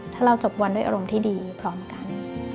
ถ้าเราจบวันด้วยอารมณ์ที่ดีพร้อมกัน